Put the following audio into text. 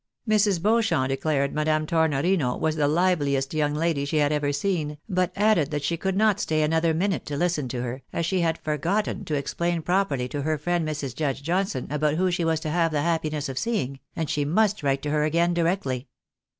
Mrs. Beauchamp declared Madame Tornorino was the HveUest young lady she had ever seen, but added that she could not stay another minute to listen to her, as she had forgotten to explain pro perly to her friend Mrs. Judge Johnson about who she was to have the happiness of seeing, and she must write to her again directly.